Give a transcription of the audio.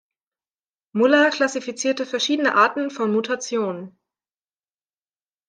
Muller klassifizierte verschiedene Arten von Mutationen.